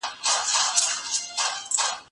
ته ولي مځکي ته ګورې!.